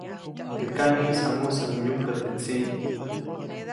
Teʼ kaʼŋis jamusäʼuŋ nyukä teʼ tsiʼ.